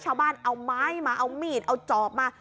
ชาวบ้านเอาไม้มาเอามีดเอาจอบมา